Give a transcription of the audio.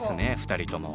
２人とも。